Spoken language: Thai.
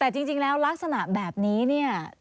แต่จริงแล้วลักษณะแบบนี้เนี่ย